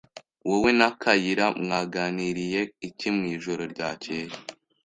Wowe na Kayira mwaganiriye iki mwijoro ryakeye?